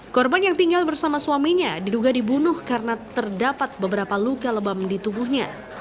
korban yang tinggal bersama suaminya diduga dibunuh karena terdapat beberapa luka lebam di tubuhnya